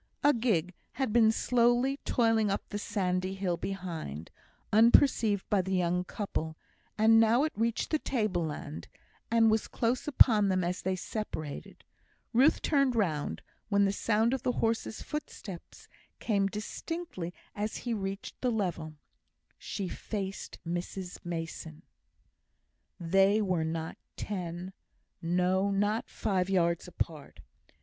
A gig had been slowly toiling up the sandy hill behind, unperceived by the young couple, and now it reached the table land, and was close upon them as they separated. Ruth turned round, when the sound of the horse's footsteps came distinctly as he reached the level. She faced Mrs Mason! They were not ten no, not five yards apart.